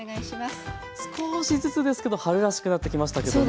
少しずつですけど春らしくなってきましたけども。